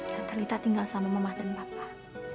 dan talita tinggal sama mama dan bapak